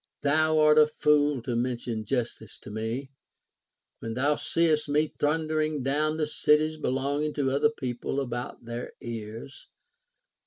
Thou art a fool to mention justice to me, when thou seest me thundering down the cities be longing to other people about their ears.